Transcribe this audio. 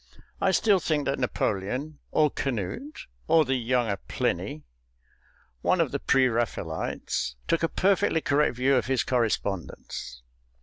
I still think that Napoleon (or Canute or the younger Pliny one of the pre Raphaelites) took a perfectly correct view of his correspondence